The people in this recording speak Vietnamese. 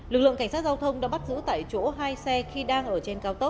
lực lượng cảnh sát giao thông đã bắt giữ tại chỗ hai xe khi đang ở trên cao tốc